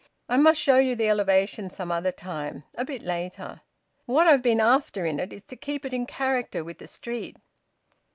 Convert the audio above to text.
"I must show you the elevation some other time a bit later. What I've been after in it, is to keep it in character with the street...